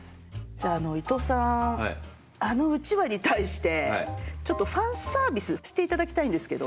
じゃあ伊藤さんあのうちわに対してちょっとファンサービスしていただきたいんですけど。